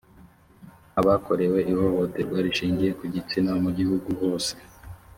abakorewe ihohoterwa rishingiye ku gitsina mu gihugu hose